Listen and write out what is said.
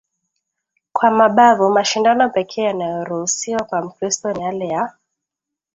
kwa mabavu Mashindano pekee yanayoruhusiwa kwa Mkristo ni yale ya